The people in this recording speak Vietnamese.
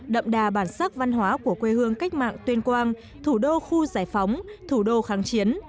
đậm đà bản sắc văn hóa của quê hương cách mạng tuyên quang thủ đô khu giải phóng thủ đô kháng chiến